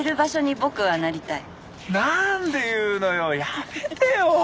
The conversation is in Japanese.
なんで言うのよやめてよ。